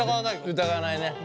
疑わないね。